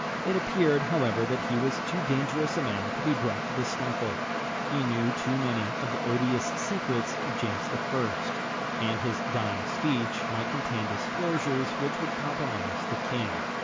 It appeared, however, that he was too dangerous a man to be brought to the scaffold. He knew too many of the odious secrets of James I., and his dying speech might contain disclosures which would compromise the king.